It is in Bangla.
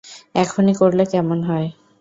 এখনই করলে কেমন হয়?